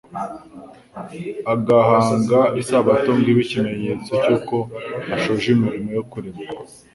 agahanga isabato ngo ibe ikimeyetso cy'uko ashoje imirimo yo kurema,